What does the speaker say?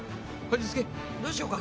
どうしようか？